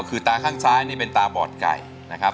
คือตาข้างซ้ายนี่เป็นตาบอดไก่นะครับ